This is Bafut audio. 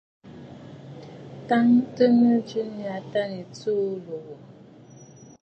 Tɔ̀ʼɔ̀tə̀ nɨŋgɔ̀ɔ̀ nyâ tâ nɨ̀ tsuu lǒ wò.